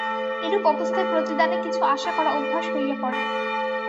এরূপ অবস্থায় প্রতিদানে কিছু আশা করা অভ্যাস হইয়া পড়ে।